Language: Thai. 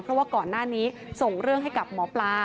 เพราะว่าก่อนหน้านี้ส่งเรื่องให้กับหมอปลา